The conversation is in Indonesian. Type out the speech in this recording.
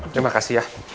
terima kasih ya